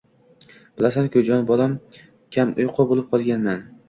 —Bilasan-ku, jon bolam, kamuyqu bo'lib qolganman.